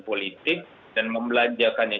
politik dan membelanjakannya